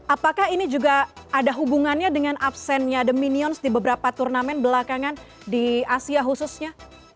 apakah ini juga ada hubungannya dengan absennya the minions di beberapa turnamen belakangan di asia khususnya